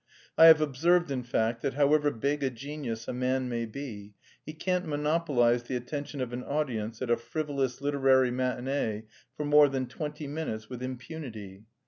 I have observed, in fact, that however big a genius a man may be, he can't monopolise the attention of an audience at a frivolous literary matinée for more than twenty minutes with impunity.